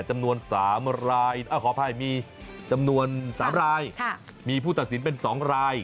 จำนวน๓รายขออภัยมีจำนวน๓รายมีผู้ตัดสินเป็น๒ราย